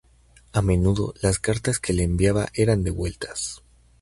A menudo, las cartas que le enviaba eran devueltas.